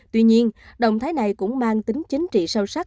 tuy nhiên động thái này cũng mang tính chính trị sâu sắc